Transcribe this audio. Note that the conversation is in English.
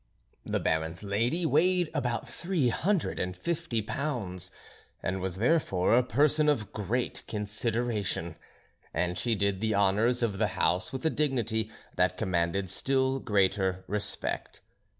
The Baron's lady weighed about three hundred and fifty pounds, and was therefore a person of great consideration, and she did the honours of the house with a dignity that commanded still greater respect.